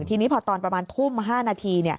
ทีนี้พอตอนประมาณทุ่ม๕นาที